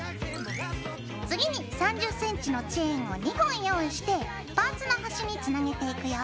次に３０ｃｍのチェーンを２本用意してパーツの端につなげていくよ。